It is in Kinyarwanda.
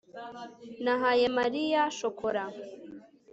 nahaye mariya shokora